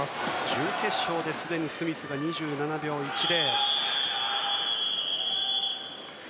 準決勝ですでにスミスが２７秒１０。